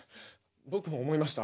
僕も思いました